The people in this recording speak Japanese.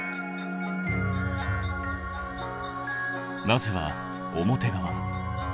まずは表側。